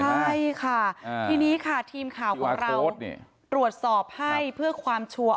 ใช่ค่ะทีนี้ค่ะทีมข่าวของเราตรวจสอบให้เพื่อความชัวร์